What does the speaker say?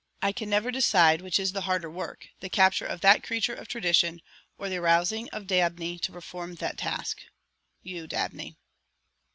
I can never decide which is the harder work, the capture of that creature of tradition or the arousing of Dabney to perform that task. You, Dabney."